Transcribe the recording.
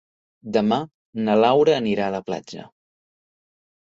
Demà na Laura anirà a la platja.